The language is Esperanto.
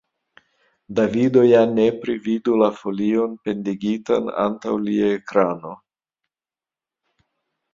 Davido ja nepre vidu la folion pendigitan antaŭ lia ekrano.